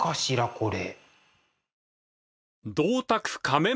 これ。